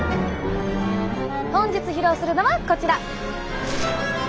本日披露するのはこちら！